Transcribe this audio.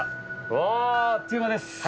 うわあっという間です。